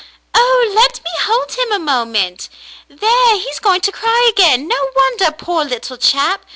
—" Oh, let me hold him a moment !"—'* There, he is going to cry again. No wonder, poor little chap